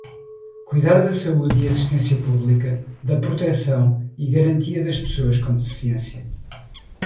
cuidar da saúde e assistência pública, da proteção e garantia das pessoas com deficiência